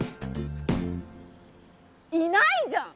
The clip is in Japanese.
いないじゃん！